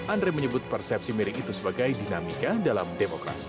andre menyebut persepsi miring itu sebagai dinamika dalam demokrasi